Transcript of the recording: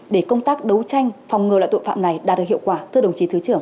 để công tác đấu tranh phòng ngừa loại tội phạm này đạt được hiệu quả thưa đồng chí thứ trưởng